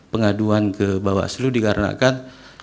pengaduan ke bawah slu dikarenakan